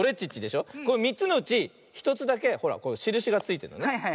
３つのうち１つだけほらしるしがついてるのね。